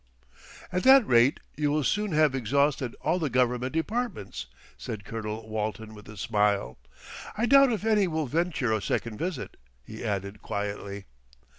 "At that rate you will soon have exhausted all the Government Departments," said Colonel Walton with a smile. "I doubt if any will venture a second visit," he added quietly.